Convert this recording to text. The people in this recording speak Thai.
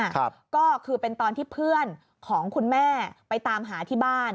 ก็คือเป็นตอนที่เพื่อนของคุณแม่ไปตามหาที่บ้าน